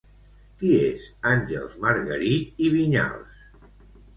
Qui és Àngels Margarit i Viñals?